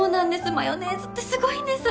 マヨネーズってすごいんです！